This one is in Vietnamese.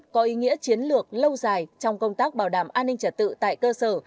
có ý nghĩa chiến lược lâu dài trong công tác bảo đảm an ninh trật tự tại cơ sở